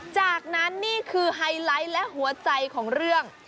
จากนั้นนี่คือไฮไลท์และหัวใจของเรื่อง